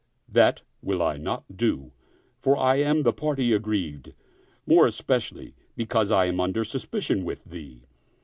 That will I not do, for I am the party aggrieved, more especially because I am under suspicion with thee.